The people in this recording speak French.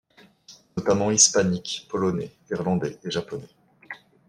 Notamment hispaniques, polonais, irlandais et japonais.